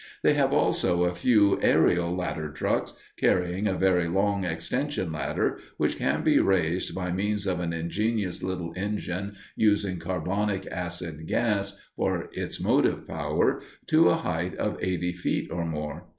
They have also a few "aërial" ladder trucks carrying a very long extension ladder which can be raised, by means of an ingenious little engine using carbonic acid gas for its motive power, to a height of eighty feet or more.